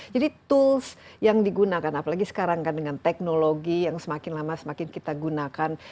jadi tools yang digunakan apalagi sekarang kan dengan teknologi yang semakin lama semakin kita gunakan